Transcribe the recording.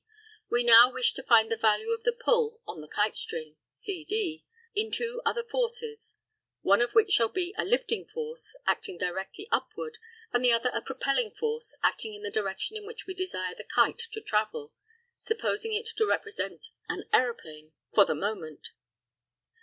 We now wish to find the value of the pull on the kite string, CD, in two other forces, one of which shall be a lifting force, acting directly upward, and the other a propelling force, acting in the direction in which we desire the kite to travel supposing it to represent an aeroplane for the moment.